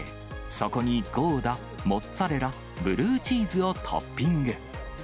そこにゴーダ、モッツァレラ、ブルーチーズをトッピング。